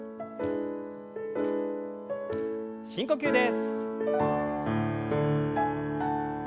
深呼吸です。